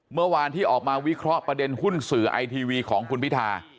เมื่อวานที่ออกมาวิเคราะห์ประเด็นหุ้นสื่อไอทีวีของคุณพิธา